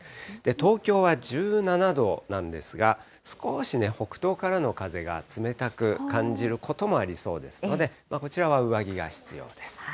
東京は１７度なんですが、すこーしね、北東からの風が冷たく感じることもありそうですので、こちらは上着が必要です。